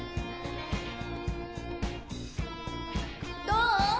どう？